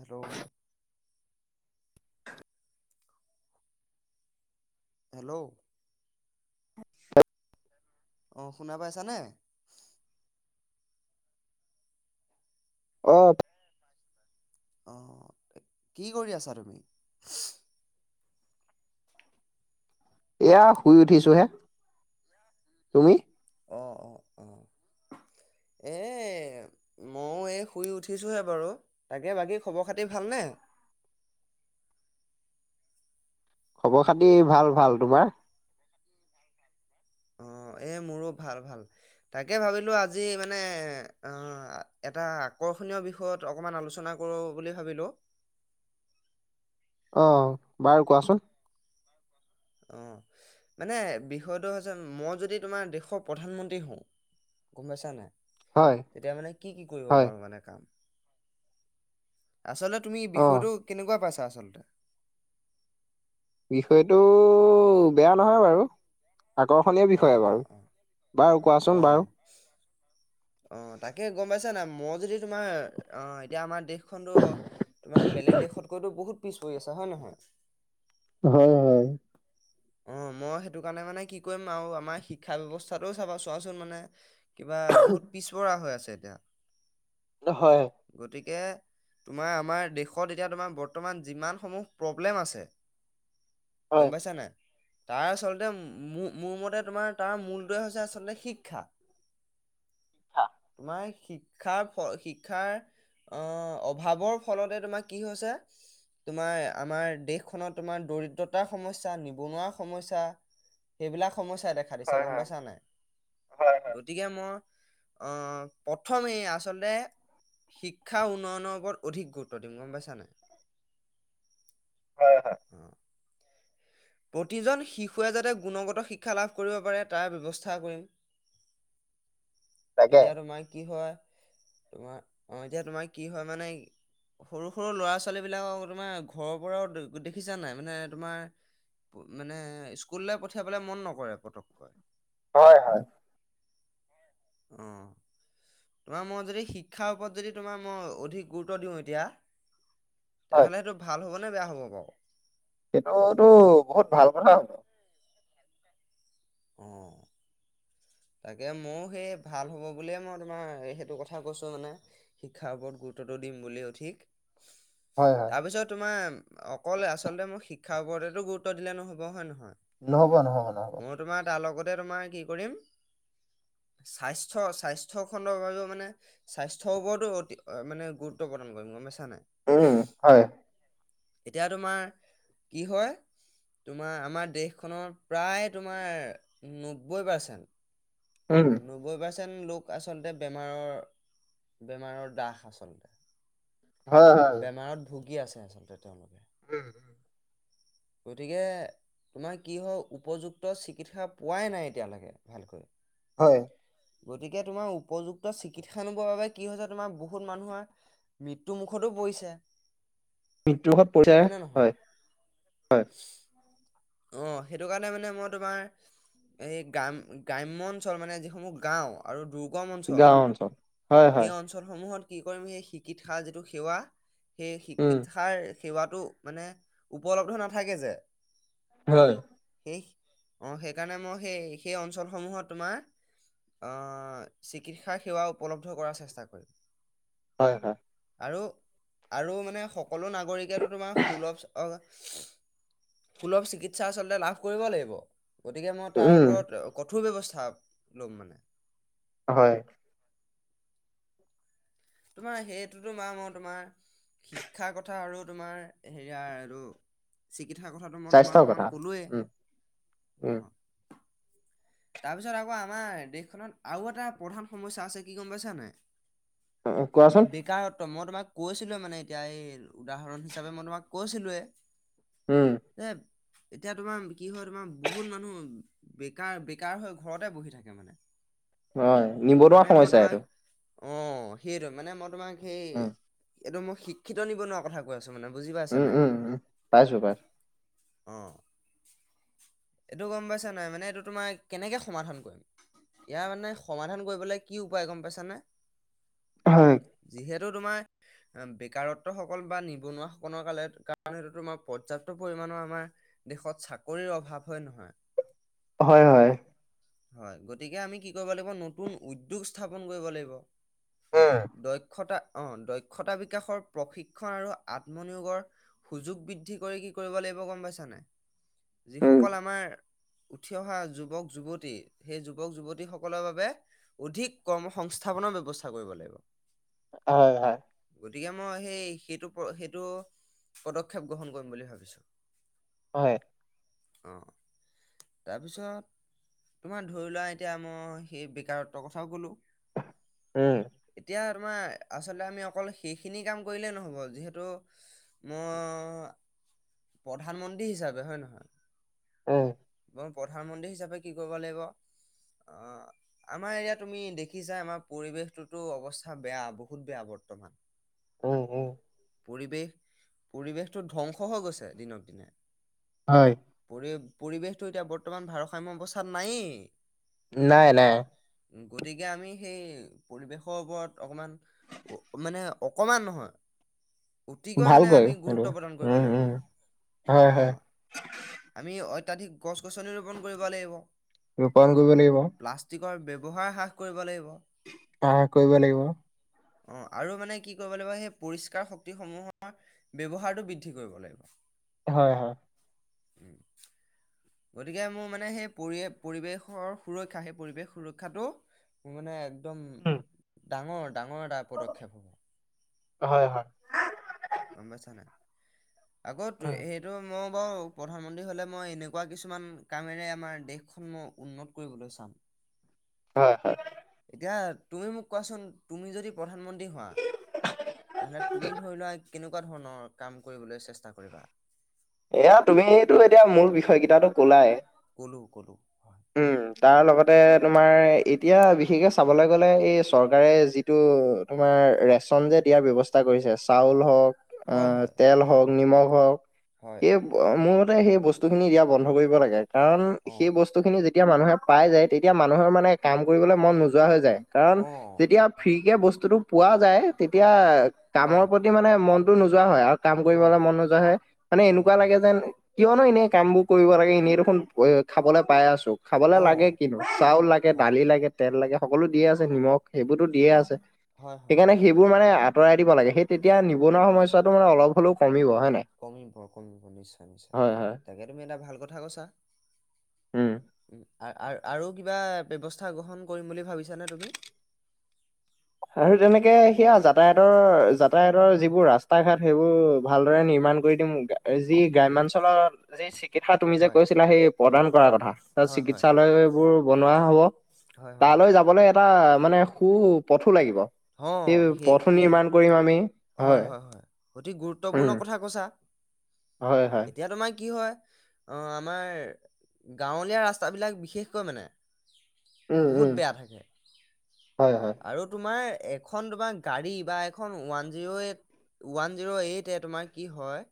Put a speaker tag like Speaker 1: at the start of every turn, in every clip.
Speaker 1: আৰু'
Speaker 2: [unintelligible]
Speaker 1: হেল্ল' অঁঃ শুনা পাইছানে?
Speaker 2: অফ
Speaker 1: আহ কি কৰি আছা তুমি?
Speaker 2: এয়া শুই উঠিছো হে তুমি?
Speaker 1: অ অ অ এই ময়ো এই শুই উঠিছোঁহে বাৰু তাকে বাকী খবৰ খাতি ভালনে
Speaker 2: খবৰ খাতি ভাল ভাল তোমাৰ?
Speaker 1: অ এই মোৰো ভাল ভাল তাকে ভাবিলো আজি মানে আহ এটা আকৰ্ষণীয় বিষয়ত অকমান আলোচনা কৰো বুলি ভাবিলো।
Speaker 2: আহ বাৰু কোৱাচোন।
Speaker 1: অঁ মানে বিষয়টো হৈছে মই যদি তোমাৰ দেশৰ প্ৰধানমন্ত্ৰী হওঁ গম পাইছা নাই
Speaker 2: হয়
Speaker 1: তেতিয়া মানে কি কি কৰিব
Speaker 2: হয়
Speaker 1: পাৰো মানে কাম? আচলতে তুমি
Speaker 2: অ
Speaker 1: বিষয়টো কেনেকুৱা পাইছা? চ আচলতে
Speaker 2: বিষয়টো বেয়া নহয় বাৰু, আকৰ্ষণীয় বিষয়ে
Speaker 1: অঁ অঁ
Speaker 2: বাৰু
Speaker 1: অঁ
Speaker 2: বাৰু কোৱাচোন বাৰু।
Speaker 1: অঁ তাকে গম পাইছ নাই মই যদি তোমাৰ অঁ এতিয়া আমাৰ দেশখনতো তোমাৰ বেলেগ দেশতকৈতো বহুত পিছপৰি আছে হয় ন হয়
Speaker 2: হয় হয়।
Speaker 1: অ মই সেইটো কাৰণে মানে কি কৰিম আৰু আমাৰ শিক্ষা ব্যৱস্থাটোও চাবা চোৱাচোন মানে কিবা বহুত পিছপৰা হৈ আছে। আ
Speaker 2: হয়
Speaker 1: তোমাৰ আমাৰ দেশত এতিয়া তোমাৰ বৰ্তমান যিমান সমূহ প্ৰব্লেম আছে
Speaker 2: হয়
Speaker 1: গম পাইছা নাই তাৰ আচলতে মোৰ মতে তোমাৰ তাৰ মূলটোৱে হৈছে আচলতে শিক্ষা।
Speaker 2: ক্ষা
Speaker 1: আমাৰ শিক্ষাৰ শিক্ষাৰ আহ অভাৱৰ ফলতে তোমাৰ কি হৈছে তোমাৰ আমাৰ দেশখনত তোমাৰ দৰিদ্ৰতাৰ সমস্যা নিবনুৱা সমস্যা সমস্যা হে বিলাক সমস্যাই দেখা
Speaker 2: হয়
Speaker 1: দিছে গম
Speaker 2: হয়
Speaker 1: পাইছা নাই
Speaker 2: হয় হয় হয়
Speaker 1: গতিকে মই প্ৰথমেই আচলতে শিক্ষা উন্নয়নৰ ওপৰত অধিক গুৰুত্ব দিম গম পাইছানাই।
Speaker 2: হয় হয়!
Speaker 1: প্ৰতিজন শিশুৱে যাতে গুণগত শিক্ষা লাভ কৰিব পাৰে তাৰ ব্যৱস্থা কৰিম।
Speaker 2: তাকে
Speaker 1: এতিয়া তোমাৰ কি হয়? তোমাৰ অ এতিয়া তোমাৰ কি হয় মানে সৰু সৰু ল'ৰা ছোৱালী বিিলাকক তোমাৰ ঘৰৰ পৰাও দেখিছা নাই মানে তোমাৰ, মানে স্কুললৈ পঠিয়াবলৈ মন নকৰে পতককৈ
Speaker 2: হয় হয়!
Speaker 1: অ তোমাৰ মই যদি শিক্ষাৰ ওপৰত যদি তোমাৰ মই অধিক গুৰুত্ব দিওঁ এতিয়া।
Speaker 2: হয়
Speaker 1: তেনেহ'লে সেইটো ভাল হ'ব। বেয়া হ'ব বাৰু
Speaker 2: সেইটোতটো বহুত ভাল কথা হ'ব।
Speaker 1: অঁঃ তাকে ময়ো সেই ভাল হ'ব বুলিয়ে মই তোমাৰ সেইটো কথা কৈছো মানে শিক্ষাৰ ওপৰত গুৰুত্বটো দিম বুলও ঠিক।
Speaker 2: হয় হয়
Speaker 1: তাৰপিছত তোমাৰ অকলে আচল্ততে মই শিক খাবওৰতেতো গুত্ব দে নহ'ব হয় নহয়।
Speaker 2: নহ'ব নহ'ব নহ'ব।
Speaker 1: ত তোমই কি কৰিম। স্বাস্থ্যয় স্বাস্থ্য খণ্ডৰ বাবেও মানে স্বাস্থ্যৰ ওপৰতো অতি মানে গুৰুত্ব প্ৰদান কৰিবম ম চাননে,
Speaker 2: উম হয়
Speaker 1: এতিয়া তোমাৰ কি হয় তোমাৰ আমাৰ দেশখনৰ প্ৰায় তোমাৰ নব্বৈ পাৰ্চেণ্ট
Speaker 2: উম
Speaker 1: নব্বৈ পাছ। চন লোক আচলতে বেমাৰৰ বেমাৰৰ দাহ আচলতে,
Speaker 2: হয় হয়
Speaker 1: বেমাৰত ভুগি আছে। আলতে তেওঁলোকে
Speaker 2: উম উম।
Speaker 1: গতিকে তোমাৰ কি হয় উপযুক্ত চিকিৎসা পোৱাই নাই এতিয়ালৈকে ভালকৈ
Speaker 2: হয়!
Speaker 1: গতিকে তোমাৰ উপযুক্ত চিকিৎসা নবৰ বাবে কি হৈছে তোমাৰ বহুত মানুহৰ মৃত্যু মুুখতো পৰিছে।
Speaker 2: মৃত্যুৰ হত পৰিচয়
Speaker 1: নে নহয়
Speaker 2: হয়। হয়।
Speaker 1: অ সেইটো কাৰণে মানে মই তোমাৰ এই গ্ৰাম গ্ৰাম্্য অঞ্চল মানে যিসমূহ গাও আৰু দু গম অঞ্চল
Speaker 2: গাঁও হয়
Speaker 1: সেই
Speaker 2: হয়
Speaker 1: অঞ্চলসমূহত। কি কৰিম সেই শিকি থা যিটো সেৱা, সেই
Speaker 2: উম,
Speaker 1: শিক্ষাৰ সেৱাটো মানে উপলব্ধ নাথাকে যে,
Speaker 2: হয়।
Speaker 1: স অ সেইকাৰণে মই সেই সেই অঞ্চলসমূহত তোমাৰ চিকিৎসা সেৱা উপলব্ধ কৰাৰ চেষ্টা কৰিম।
Speaker 2: হয় হয়!
Speaker 1: আৰু আৰু মানে সকলো নাগৰিকেতো তোমাৰ সুলভ সুলভ চিকিৎসা। চিকিৎসা আচলতে লাভ কৰিব লাগিব। গতিকে মই তাৰ
Speaker 2: উম,
Speaker 1: ওপৰত ক কঠোৰ ব্যৱস্থা লম মানে
Speaker 2: হয়
Speaker 1: তোমাৰ সেইটোতো মাৰ মই তোমাৰ শিক্ষাৰ কথা আৰু তোমাৰ হেৰি আ ৰু ক্ষা কথাটো মই তোমাক
Speaker 2: স্বাস্থ্যৰ কথা।
Speaker 1: অকণমান ক'লোৱেই
Speaker 2: উম, উম,
Speaker 1: অঁ তাৰপিছত আকৌ আমাৰ দেশখনত আৰু এটা প্ৰধান সমস্যা আছে কি গম পাইছানে
Speaker 2: কোৱাচোন,
Speaker 1: বেকাৰত্ব মই তোমাক কৈছিলো মানে এতিয়া এই উদাহৰণ হিচাপে মই তোমাক কৈছিলো তোৱে।
Speaker 2: উম,
Speaker 1: এ এতিয়া তোমাৰ কি হয় তোমাৰ বহুত মানুহ বেকাৰ বে কাৰ হৈ ঘৰতে বহি থাকে মানে
Speaker 2: হয় নিবনুৱা
Speaker 1: মানে মই
Speaker 2: সমস্যা
Speaker 1: তোমাক
Speaker 2: এইটো
Speaker 1: অ সেইটো মানে মই তোমাক। সেই
Speaker 2: উম,
Speaker 1: এইটো মোৰ শিক্ষিত নিবনুৱা কথা কৈ আছো। মানে বুজি পাইছা
Speaker 2: উম
Speaker 1: নাই
Speaker 2: উম উম পাইছো পাইছো
Speaker 1: অ এইটো গম পাইছা নাই মানে এইটো তোমাৰ কেনেকে সমাধান কৰিম ইয়াৰ মানে সমাধান কৰিবলৈ কি উপায় গম পাইছানে
Speaker 2: হয়
Speaker 1: সটো তোমাৰ বেকাৰত্ব সকল বা নিবনুৱাসকলৰাল কাৰণে সটো তোমাৰ পৰ্যাপ্ত পৰিমাণৰ আমাৰ দেশত চাকৰিৰ অভাৱ হয় নহয়
Speaker 2: হয় হয়।
Speaker 1: হয় গতিকে আমি কি কৰিব লাগিব নতুন উদ্যোগ স্থাপন কৰিব লাগিব।
Speaker 2: উম,
Speaker 1: দক্ষতা অ দক্ষতা বিকাশৰ প্ৰশিক্ষণ আৰু আত্মনিয়োগৰ সুযোগ বৃদ্ধি কৰি কি কৰিব লাগিব গম পাইছানে
Speaker 2: উম,
Speaker 1: যিসকল আমাৰ উঠি অহা যুগ যুৱক যুৱতী সেই যুৱক যুৱতীসকলৰ বাবে অধিক কৰ্ম সংস্থাপনৰ ব্যৱস্থা কৰিব লাগিব
Speaker 2: হয় হয়
Speaker 1: গতিকে মই সেই সেইটো সেইটো পদক্ষেপ গ্ৰহণ কৰিম বুলি ভাবিছো
Speaker 2: হয়
Speaker 1: অ তাৰ পিছত। তোমাৰ ধৰি লোৱা এতিয়া মই সেই বেকাৰত্বৰ কথাও কলো
Speaker 2: উম
Speaker 1: এতিয়া তোমাৰ আচলতে আমি অকল সেইখিনি কাম কৰিলেই নহ'ব যিহেতু মই প্ৰধানমন্ত্ৰী হিচাপে হয় নহয়।
Speaker 2: আহ
Speaker 1: প্ৰধানমন্ত্ৰী হিচাপে কি কৰিব লাগিব অ আমাৰ এৰিয়াাত তুমি দেখিছা আমাৰ পৰিৱেশটোতো অৱস্থা বেয়া বহুত বেয়া বৰ্তমান
Speaker 2: উ উ।
Speaker 1: পৰিৱেশ পৰিৱেশটো ধ্বংস হৈ গৈছে দিনক দিনে
Speaker 2: হয়,
Speaker 1: পৰে পৰিৱেশটো এতিয়া বৰ্তমান ভাৰসাম্য বস্থ তাত নাইয়ে।
Speaker 2: নাই নাই
Speaker 1: গতিকে আমি সেই পৰিৱেশৰ ওপৰত অকমান মানে অকমান নহয় অতিকৈ মানে
Speaker 2: ভালকৈ
Speaker 1: আমি
Speaker 2: সেইটো,
Speaker 1: গুৰুত্ব প্ৰদান কৰিব
Speaker 2: উম, উম,
Speaker 1: লাগিব
Speaker 2: হয়,
Speaker 1: অ
Speaker 2: হয়,
Speaker 1: আমি অ অত্যাধিক গছ গছনি ৰূপণ কৰিব লাগিব
Speaker 2: ৰূপান গগলে আহিব
Speaker 1: প্লাষ্টিকৰ ব্যৱহাৰ হ্ৰাস কৰিব লাগিব
Speaker 2: আহ, কৰিব লাগিব,
Speaker 1: অ আৰু মানে কি কৰিব লাগিব সেই পৰিষ্কাৰ শক্তিসমূহৰ ব্যৱহাৰটো বৃদ্ধি কৰিব লাগিব
Speaker 2: হয় হয়
Speaker 1: উম গতিকে মোৰ মানে সেই পৰিয়ে পৰিৱেশৰ সুৰক্ষা সেই পৰিৱেশ সুৰক্ষাটো মোৰ মানে। উম। ডাঙৰ ডাঙৰ এটা পদক্ষেপ হ'ব
Speaker 2: হয় হয়
Speaker 1: গম পাইছা নে। আগত
Speaker 2: উম,
Speaker 1: সেইটো মই বাৰু প্ৰধানমন্ত্ৰী হলে মই এনেকুৱা কিছুমান কামেৰে আমাৰ দেশখন মই উন্নত কৰিবলৈ চাম
Speaker 2: হয় হয়
Speaker 1: এতিয়া তুমি মোক কোৱাচোন তুমি যদি প্ৰধানমন্ত্ৰী হোৱা তেনেহলে তুমি ধৰি লোৱা কেনেকুৱা ধৰণৰ কাম কৰিবলৈ চেষ্টা কৰিবা
Speaker 2: এয়া তুমিটো এতিয়া মোৰ বিষয় কেইটাতটো কলাই
Speaker 1: কলু কলু হয়
Speaker 2: তাতে তোমাৰ, এতিয়া বিশেষকৈ চাবলৈ গ'লে এই চৰকাৰে যিটো, তোমাৰ ৰেচন যে দিয়াৰ ব্যৱস্থা কৰিছে। চাউল হওক অ,
Speaker 1: হয় হয়
Speaker 2: তেল হওক। নিমখ‌ও আৰু
Speaker 1: হয়
Speaker 2: এই, মোৰ? সেই বস্তু খিনি দিয়া বন্ধ কৰিব লাগে। কাৰণ
Speaker 1: অ
Speaker 2: সেই বস্তু খিনি যেতিয়া? যেতিয়া মানুহে পাই যায়। তেতিয়া মানুহৰ মানে কাম কৰিবলৈ মন নোযোৱা হৈ যায়। কাৰণ
Speaker 1: অ'।
Speaker 2: যেতিয়া ফ্ৰী কে বস্তুটো পোৱা যায় তেতিয়া কামৰ
Speaker 1: হয়,
Speaker 2: প্ৰতি মানে মন। কৌ নোযোৱা হয় আক কাম
Speaker 1: হয়,
Speaker 2: কৰিবলৈ মন নোযোৱা হয়। মানে এনেকু
Speaker 1: হয়,
Speaker 2: এনেকুৱা
Speaker 1: হয়।
Speaker 2: লাগে যেন কিয়নো এনেই কাম বোৰ কৰিব লাগে এনেই দেখোন খাবলৈ পাই আছো। খাবলে লাগে
Speaker 1: অ'।
Speaker 2: কিন্তু। চাউল লাগে,
Speaker 1: হয়,
Speaker 2: দালি লাগে, তেল লাগে সকলো দিয়ে আছে, নিমখ। সেইবোৰতো দিয়ে আছে।
Speaker 1: হয়, হয়,
Speaker 2: সেইকাৰণে, সেইবোৰ মানে আ আঁতৰাই দিব লাগে। সেই তেতিয়া নিবনুৱা সমস্যাটো মানে অলপ হ'লেও কমিব। হয় নাই
Speaker 1: কমিব কমিব। নিশ্চয়-নিশ্চয়
Speaker 2: হয় হয়
Speaker 1: তাকে তুমি এটা ভাল কথা কৈছা।
Speaker 2: উম
Speaker 1: উম, আৰু কিবা ব্যৱস্থা গ্ৰহণ কৰিম বুলি ভাবিছানে তুমি
Speaker 2: আৰু তেনেকে সেয়া যাতায়তৰ, যাতায়াতৰ যিবোৰ ৰাস্তা ঘাট সেইবোৰ ভালদৰে নিৰ্মাণ কৰি দিম যি গ্ৰাম্যাঞ্চলত যি কেথা, তুমি যে
Speaker 1: হয়,
Speaker 2: কৈছিলা, সেই
Speaker 1: হয়।
Speaker 2: প্ৰদান কৰাৰ কথা তাত
Speaker 1: হয়, হয়,
Speaker 2: চিকিৎসালয়বোৰ বনোৱা হ'ব।
Speaker 1: হয়, হয়,
Speaker 2: তালৈ যাবলৈ এটা মানে সু পথো লাগিব সেই পথো নিৰ্মাণ কৰিম আমি হয়
Speaker 1: হয়-হয়-হয়। অতি
Speaker 2: উম
Speaker 1: গুৰুত্বপূৰ্ণ কথা কৈছা।
Speaker 2: হয় হয়
Speaker 1: এতিয়া তোমাই কি হয় অঁ আমাৰ গাঁৱলীয়া ৰাস্তাবলাক বিশেষকৈ মানে
Speaker 2: উম উম
Speaker 1: বহুত বেয়া থাকে
Speaker 2: হয় হয়
Speaker 1: আৰু তোমাৰ? এখন তোমাৰ গাড়ী বা এখন ওৱান জিৰ এইট-ওৱান জিৰ এইটে তোমাৰ কি হয়।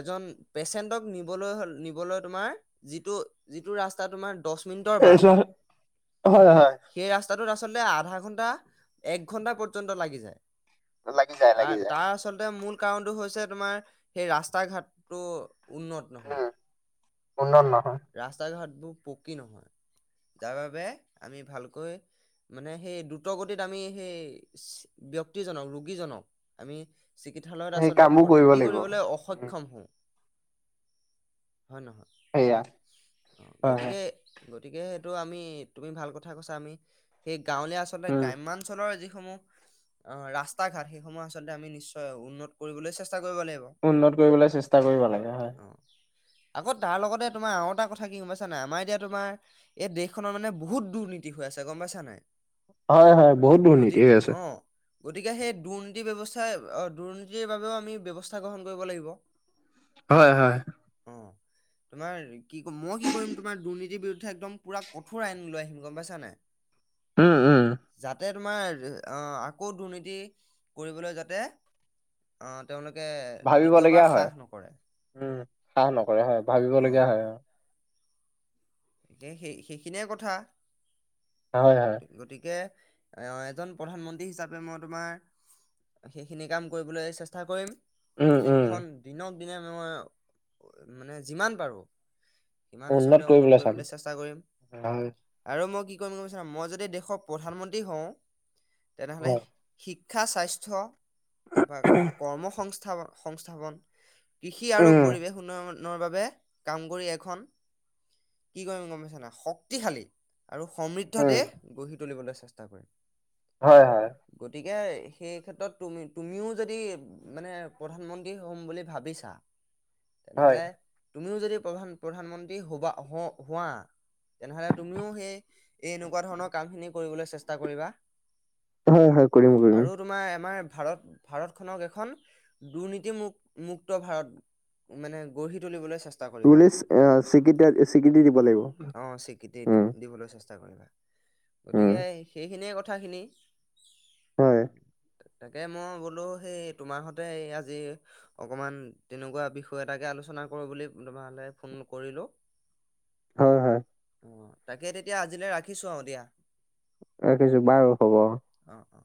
Speaker 1: এজন পেচেণ্টক নিবলৈ-হ নিবলৈ, তোমাৰ যিটো-যিটো ৰাস্তা তোমাৰ দহ মিনিটৰ
Speaker 2: এই,
Speaker 1: বাট
Speaker 2: হয় -হয়।
Speaker 1: সেই ৰাস্তাটোত আচলতে আধা ঘণ্টা তা, এক ঘন্টা পৰ্যন্ত লাগি যায়।
Speaker 2: লাগি
Speaker 1: তাৰ
Speaker 2: যায়-লাগি যায়।
Speaker 1: তাৰ আচলতে মূল কাৰণটো হৈছে, তোমাৰ সেই ৰাস্তা-ঘাটটো উন্নত নহয়।
Speaker 2: উম উন্নত অঁ।
Speaker 1: ৰাস্তা ঘাটবোৰ পকী নহয় যাৰ বাবে আমি ভালকৈ মানে সেই দ্ৰুত গতিত আমি সেই ব্যক্তিজনক ৰোগীজনক আমি চিকিৎসালয়ত
Speaker 2: সেই
Speaker 1: আচলতে
Speaker 2: কামবোৰ কৰিব
Speaker 1: ভৰ্তি
Speaker 2: লাগিব
Speaker 1: কৰিবলৈ
Speaker 2: উম
Speaker 1: অসক্ষম হওঁ। হয় নহ
Speaker 2: সেয়া, হয়-হয়।
Speaker 1: গতিকে সেইটো আমি তুমি ভাল কথা কৈছা আমি সেই গাঁৱলীয়া আচলতে
Speaker 2: উম
Speaker 1: গ্ৰাম্যাঞ্চলৰ যি। ৰাস্তা ঘাট সেইসমূহ আচলতে আমি নিশ্চয় উন্নত কৰিবলৈ চেষ্টা কৰিব লাগিব অ
Speaker 2: উন্নত কৰিবলৈ চেষ্টা কৰিব লাগে হয়।
Speaker 1: আকৌ তাৰ লগতে তোমাৰ আৰু এটা কথা কি গম পাইছ নাই, আমাৰ এতিয়া তোমাৰ এই দেশখনৰ মানে বহুত দুৰ্নীতি হৈ আছে গম পাইছা নাই।
Speaker 2: হয়-হয়। বহুত
Speaker 1: গতি
Speaker 2: দুৰ্নীতি হৈ
Speaker 1: অ
Speaker 2: আছে।
Speaker 1: গতিকে সেই দুৰ্নীতি ব্যৱস্থাই অ', দুৰ্নীতিৰ বাবেও আমি ব্যৱস্থা গ্ৰহণ কৰিব লাগিব।
Speaker 2: হয়-হয়।
Speaker 1: অ। তোমাৰ ই কি, মই কি কৰিম তোমাৰ দুৰ্নীতি বিৰুদ একদম পুৰা কঠোৰ আইন লৈ আহিম গম পাইছানে।
Speaker 2: উম উম
Speaker 1: যাতে তোমাৰ, অ', আকৌ দুৰ্নীতি কৰিবলৈ যাতে অ', তেওঁলোক তেওঁলোকে দ্বিতীয়বাৰ সাহ নকৰে।
Speaker 2: হ, ন। [unintelligible] কৰে হয়, ভাবিবলগীয়া হয় অ।
Speaker 1: সে-সে-সেইখিনিয়ে কথা।
Speaker 2: হয় হয়
Speaker 1: গতিকে? এ অ, এজন প্ৰধানমন্ত্ৰী হিচাপে মই তোমাৰ, সেইখিনি কাম কৰিবলৈ চেষ্টা কৰিম।
Speaker 2: উম উম
Speaker 1: দেশখন দিনক দিনক মানে যিমান পাৰো সিমান আচলতে উন্নত। কৰিবলৈ চেষ্টা কৰিম
Speaker 2: হয়
Speaker 1: আৰু মোৰ কি কৰিম জানানে মই যদি দেশৰ প্ৰধানমন্ত্ৰী হওঁ। তেনেহলে
Speaker 2: হয়
Speaker 1: শিক শিক্ষা স্বাস্থ্য, তাৰপা কৰ্মসস্থা, সংস্থা-সংস্থাপন। কৃষি আৰু
Speaker 2: উম
Speaker 1: পৰিৱেশ উন্নয়ন নৰ বাবে কাম কৰি এখন কি কৰিম গম পাইছা না শক্তিশালী। আৰু সমৃদ্ধ
Speaker 2: উম
Speaker 1: দেহ গঢ়ি। তুলিবলৈ চেষ্টা কৰিম।
Speaker 2: হয়- হয়
Speaker 1: কেই সেই ক্ষেত্ৰত তুমি - তুমিও যদি মানে প্ৰধানমন্ত্ৰী হ'ম বুলি ভাবিছা
Speaker 2: হয়
Speaker 1: তেনেহলে তুমিও যদি প্ৰধান প্ৰধানমন্ত্ৰী হ'বা হওঁক। হোৱা তেনেহ'লে তুমিও সেই এই এনেকুৱা ধৰণৰ কামখিনি কৰিবলৈ চেষ্টা কৰিবা।
Speaker 2: হয় - হয় কৰিম-
Speaker 1: অ'
Speaker 2: কৰিম।
Speaker 1: আৰু তোমাৰ আমাৰ ভাৰত - ভাৰতখনক এখন দুৰ্নীতি মু - মুক্ত ভাৰত মানে গঢ়ি তুলিবলৈ।
Speaker 2: পুলিচ আহ ', চিকি
Speaker 1: অহ ', স্বীকৃতি দি দিব লৈছে। চেষ্টা কৰিবা।
Speaker 2: উম
Speaker 1: গতিকে সেইখিনিয়ে কথা। কথাখিনি।
Speaker 2: হয়
Speaker 1: তাকে মই ব বলো সেই তোমাৰ হতে আজি অকমান তেনেকুৱা বিষয় এটাকে আলোচনা কৰো বুলি তোমলে ফোন কৰিলো।
Speaker 2: হয় - হয়
Speaker 1: অহ ', তাকে তেতিয়া আজিলৈ ৰাখিছো অহ', দিয়া।
Speaker 2: ৰাখেইছো বাৰু হব।
Speaker 1: অ অ